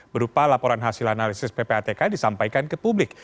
berupa laporan hasil analisis ppatk disampaikan ke publik